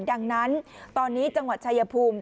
ดังนั้นตอนนี้จังหวัดชายภูมิ